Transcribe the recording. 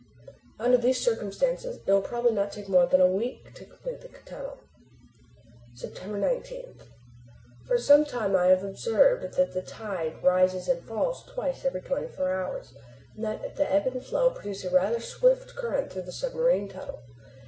Under these circumstances it will probably not take more than a week to complete the tunnel. September 19. For some time past I have observed that the tide rises and falls twice every twenty four hours, and that the ebb and flow produce a rather swift current through the submarine tunnel.